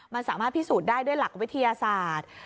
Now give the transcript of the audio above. มันสามารถพิสูจน์ได้ด้วยหลักวิทยาศาสตร์